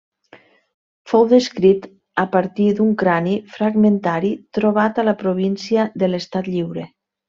Fou descrit a partir d'un crani fragmentari trobat a la província de l'Estat Lliure.